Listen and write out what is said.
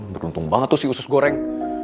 beruntung banget tuh sih usus goreng